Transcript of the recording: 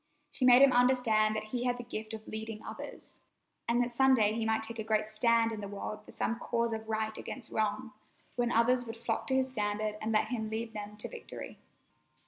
She made him understand that he had the gift of leading others, and that some day he might take a great stand in the world for some cause of Right against Wrong, when others would flock to his standard and let him lead them to victory.